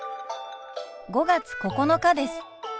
５月９日です。